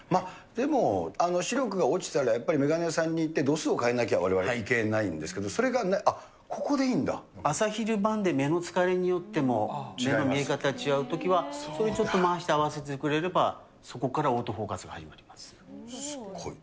でも、視力が落ちたら、やっぱり眼鏡屋さんに行って、度数を変えなきゃいけないんですけど、それが、あっ、ここでいい朝昼晩の目の疲れによっても十分、見え方違うときは、それちょっと回して合わせてくれれば、そこかすごい。